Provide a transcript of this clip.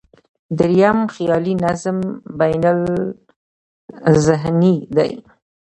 درېیم، خیالي نظم بینالذهني دی.